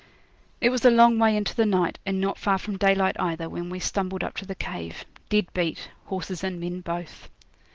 It was a long way into the night, and not far from daylight either, when we stumbled up to the cave dead beat, horses and men both.